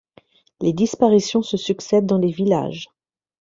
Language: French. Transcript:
Les disparitions se succèdent dans les villages.